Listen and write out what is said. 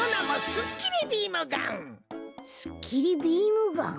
すっきりビームガン？